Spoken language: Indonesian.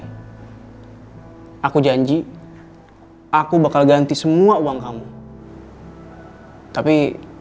hai aku janji aku bakal ganti semua uang kamu hai tapi